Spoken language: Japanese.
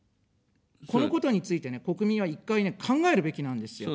このことについてね、国民は１回ね、考えるべきなんですよ。